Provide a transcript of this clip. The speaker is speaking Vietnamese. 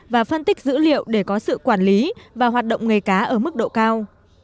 và phân tích dữ liệu để có sự quản lý và hoạt động nghề cá ở mức độ cao